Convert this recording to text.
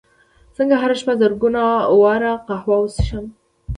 څنګه هره شپه زرګونه واره قهوه وڅښم